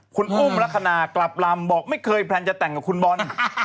คุณอุ้มลักษณะกลับลำบอกไม่เคยแพลนจะแต่งกับคุณบอล